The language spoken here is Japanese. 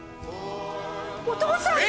お父さんだ！